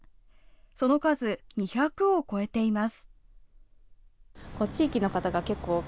その数、２００を超えています。